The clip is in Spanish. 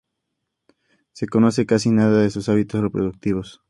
Se conoce casi nada de sus hábitos reproductivos.